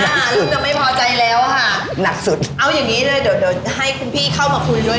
เริ่มจะไม่พอใจแล้วค่ะหนักสุดเอาอย่างงี้เลยเดี๋ยวเดี๋ยวให้คุณพี่เข้ามาคุยด้วย